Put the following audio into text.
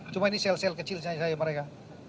cuma ini sel sel kecil saja mereka